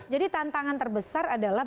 jadi tantangan terbesar adalah